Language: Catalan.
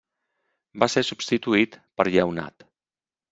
Va ser substituït per Lleonat.